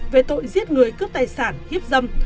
về tội giết người cướp tài sản hiếp dâm